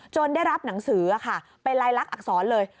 ได้รับหนังสือค่ะเป็นลายลักษณอักษรเลย